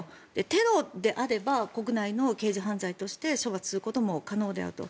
テロであれば国内の刑事犯罪として処罰することも可能であると。